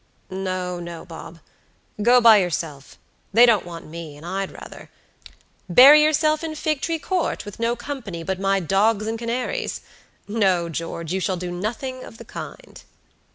"No, no, Bob; go by yourself; they don't want me, and I'd rather" "Bury yourself in Figtree Court, with no company but my dogs and canaries! No, George, you shall do nothing of the kind."